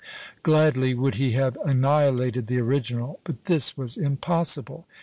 Gladly would he have annihilated the original, but this was impossible!